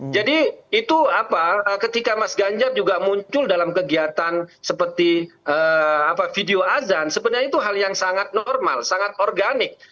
jadi itu ketika mas ganjar muncul dalam kegiatan seperti video azan sebenarnya itu hal yang sangat normal sangat organik